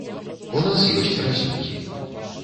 У нас ёсць разлікі.